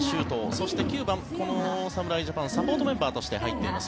そして９番、この侍ジャパンサポートメンバーとして入っています